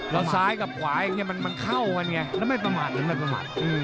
แล้วซ้ายกับขวายมันเข้ากันไงแล้วไม่ประหมัด